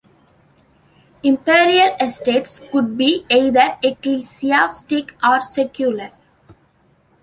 Imperial Estates could be either ecclesiastic or secular.